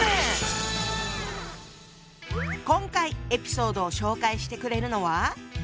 今回エピソードを紹介してくれるのは。